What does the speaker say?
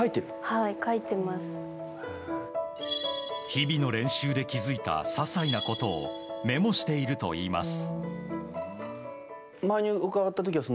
日々の練習で気づいた些細なことをメモしているといいます。